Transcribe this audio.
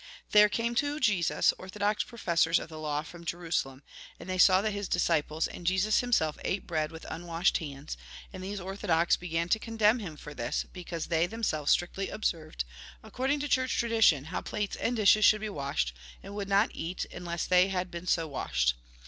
There came to Jesus orthodox professors of the law fiom Jerusalem. And they saw that his disciples and Jesus himself ate bread with un washed hands ; and these orthodox began to con demn him for this, because they themselves strictly observed, according to church tradition, how plates and dishes should be washed, and would not eat unless they had been so washed.